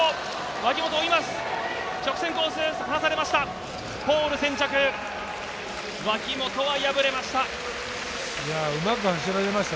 脇本は敗れました。